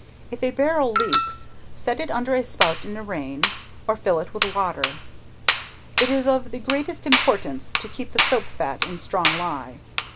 If a barrel leaks, set it under a spout in a rain, or fill it with water. It is of the greatest importance to keep the soap fat in strong ley.